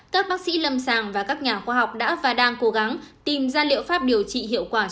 các bác sĩ lâm sàng và các nhà khoa học đã và đang cố gắng tìm ra liệu pháp điều trị hiệu quả